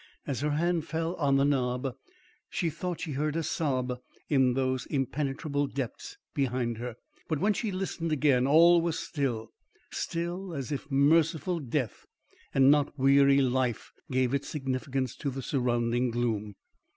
As her hand fell on the knob she thought she heard a sob in those impenetrable depths behind her; but when she listened again, all was still; still as if merciful death and not weary life gave its significance to the surrounding gloom.